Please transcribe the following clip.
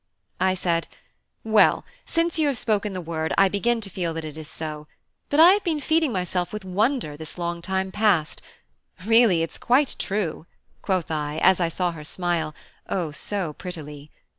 I said: "Well, since you have spoken the word, I begin to feel that it is so; but I have been feeding myself with wonder this long time past: really, it's quite true," quoth I, as I saw her smile, O so prettily!